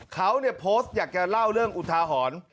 เขาโพสต์อยากจะเล่าเรื่องอุทาหรณ์